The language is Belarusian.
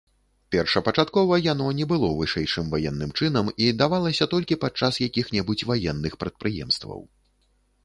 Першапачаткова яно не было вышэйшым ваенным чынам і давалася толькі падчас якіх-небудзь ваенных прадпрыемстваў.